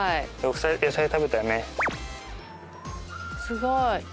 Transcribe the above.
すごい。